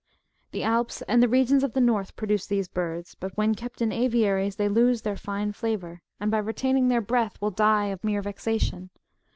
The Alps and the regions of the North produce these birds ; but when kept in aviaries, they lose their tine flavour, and by retaining their breath, will die of mere vexation.